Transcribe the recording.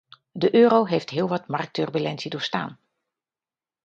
De euro heeft heel wat marktturbulentie doorstaan.